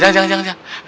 jangan jangan jangan